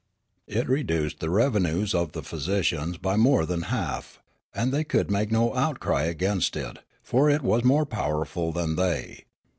It reduced the revenues of the physicians' by more than half; and thej^ could make no outcrj against it, for it was more powerful than they.